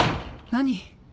何？